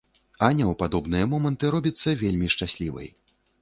Аня ў падобныя моманты робіцца вельмі шчаслівай.